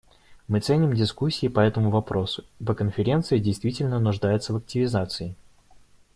Мы ценим дискуссии по этому вопросу, ибо Конференция действительно нуждается в активизации.